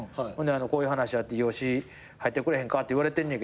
こういう話あって養子入ってくれへんかって言われてんねんけど。